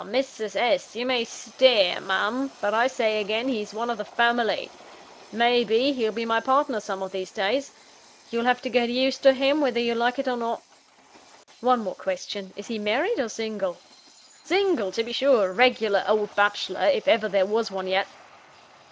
Mrs. S., you may stare, Ma'am; but I say again, he's one of the family; may be, he'll be my partner some of these days you'll have to get used to him then, whether you like it or not." "One more question: is he married or single?" "Single, to be sure a regular old bachelor, if ever there was one yet."